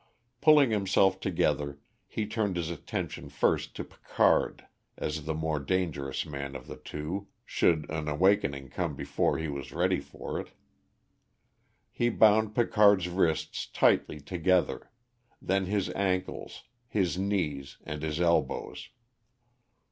Pulling himself together, he turned his attention first to Picard, as the more dangerous man of the two, should an awakening come before he was ready for it. He bound Picard's wrists tightly together; then his ankles, his knees, and his elbows.